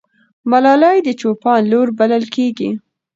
ملالۍ د چوپان لور بلل کېږي.